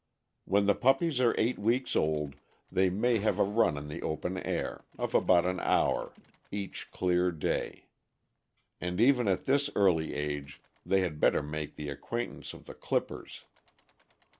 When the puppies are eight weeks old, they may have a run in the open air, of about an hour, each clear day; and even at this early age they had better make the acquaintance of the clippers.